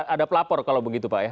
ada pelapor kalau begitu pak ya